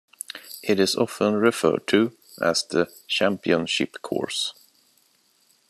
It is often referred to as The Championship Course.